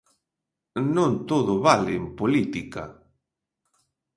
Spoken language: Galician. Non todo vale en política.